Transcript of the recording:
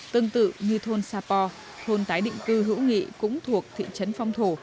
tương tự như thôn sà pò thôn tái định cư hữu nghị cũng thuộc thị trấn phong thổ